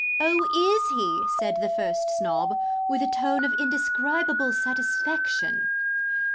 'Oh, is he' said the first Snob, with a tone of indescribable satisfaction.